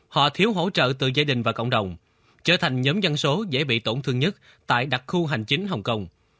họ thiếu hỗ trợ từ gia đình và cộng đồng trở thành nhóm dân số dễ bị tổn thương nhất tại đặc khu hành chính hồng kông